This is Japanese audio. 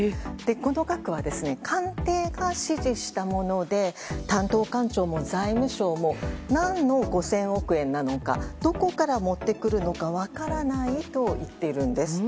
この額は、官邸が指示したもので担当官庁も財務省も何の５０００億円なのかどこから持ってくるのか分からないと言っているんです。